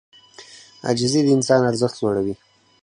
عاجزي د انسان ارزښت لوړوي.